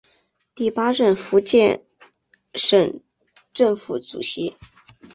第八任福建省政府主席。